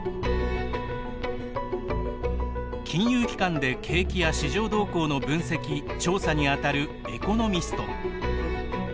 金融機関で景気や市場動向の分析・調査に当たるエコノミスト。